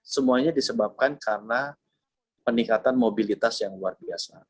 semuanya disebabkan karena peningkatan mobilitas yang luar biasa